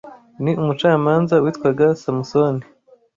Ni umucamanza witwaga Samusoni